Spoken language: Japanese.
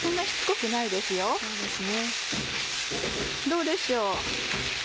どうでしょう？